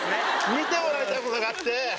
見てもらいたいものがあって。